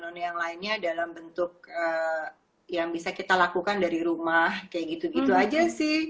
none yang lainnya dalam bentuk yang bisa kita lakukan dari rumah kayak gitu gitu aja sih